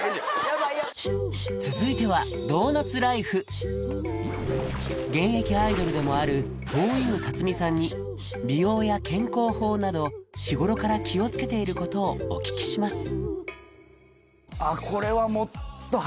やばい続いては現役アイドルでもあるふぉゆ辰巳さんに美容や健康法など日頃から気をつけていることをお聞きします